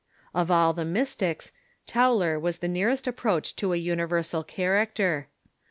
Of all the Mystics, Tau lev was the nearest approach to a universal character.